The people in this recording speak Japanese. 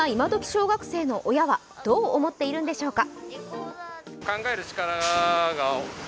小学生の親はどう思っているんでしょうか。